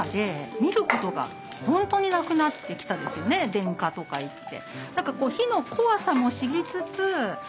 電化とかいって。